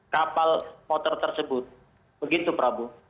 kapal motor tersebut begitu prabu